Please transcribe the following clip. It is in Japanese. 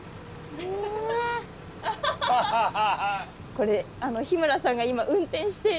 これ日村さんが今運転している様子が。